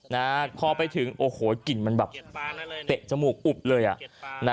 นะฮะพอไปถึงโอ้โหกลิ่นมันแบบเตะจมูกอุบเลยอ่ะนะ